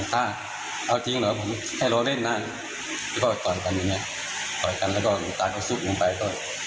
แล้วก็ต่อยกันอย่างนี้ต่อยกันแล้วก็ลูกตาก็สู้ลูกตาไป